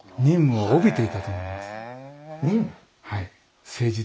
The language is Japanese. はい。